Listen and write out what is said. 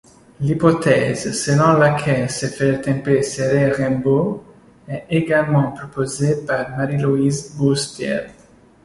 L'hypothèse selon laquelle ce frère templier serait Raimbaut est également proposée par Marie-Luise Bulst-Thiele.